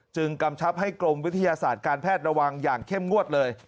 กำชับให้กรมวิทยาศาสตร์การแพทย์ระวังอย่างเข้มงวดเลย